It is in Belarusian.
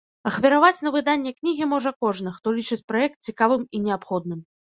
Ахвяраваць на выданне кнігі можа кожны, хто лічыць праект цікавым і неабходным.